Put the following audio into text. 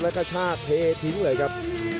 แล้วก็ชากเททิ้งเลยครับ